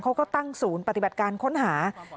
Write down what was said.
เขาก็ตั้งศูนย์ปฏิบัติการค้นหา